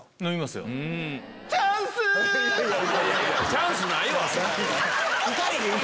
チャンスないわ。